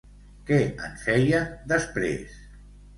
Què en feien després?